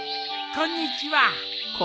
こんにちは。